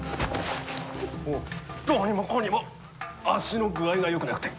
どうにもこうにも足の具合がよくなくて。